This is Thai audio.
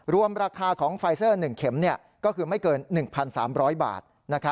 รวมราคาของไฟเซอร์๑เข็มก็คือไม่เกิน๑๓๐๐บาท